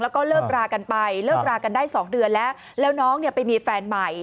แล้วก็เลิกรากันไปเลิกรากันได้สองเดือนแล้วแล้วน้องเนี่ยไปมีแฟนใหม่